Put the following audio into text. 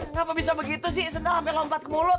ngapa bisa begitu sih sendal ampe lompat ke mulut